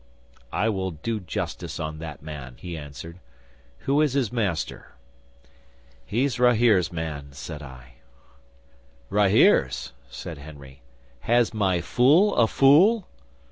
'"I will do justice on that man," he answered. "Who is his master?" '"He's Rahere's man," said I. '"Rahere's?" said Henry. "Has my fool a fool?"